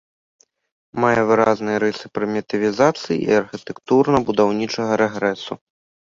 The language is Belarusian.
Мае выразныя рысы прымітывізацыі і архітэктурна-будаўнічага рэгрэсу.